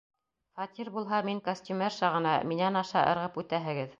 Фатир булһа, мин костюмерша ғына, минән аша ырғып үтәһегеҙ.